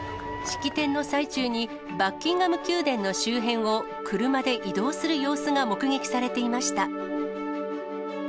式典の最中に、バッキンガム宮殿の周辺を車で移動する様子が目撃されていました。